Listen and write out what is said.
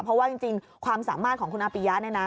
เพราะว่าจริงความสามารถของคุณอาปิยะเนี่ยนะ